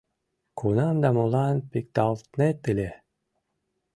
Кунам да молан пикталтнет ыле?